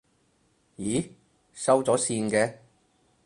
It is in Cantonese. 咦，收咗線嘅？